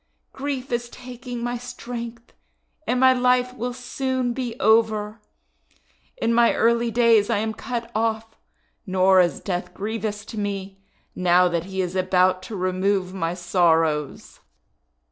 Grief is taking my strength, and my life will soon be over! In my early days am I cut off, nor is Death grievous to me, now that he is about to remove my sorrows!'